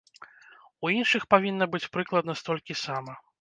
У іншых павінна быць прыкладна столькі сама.